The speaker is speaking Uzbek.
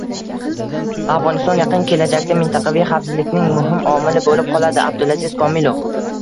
Afg‘oniston yaqin kelajakda mintaqaviy xavfsizlikning muhim omili bo‘lib qoladi — Abdulaziz Komilov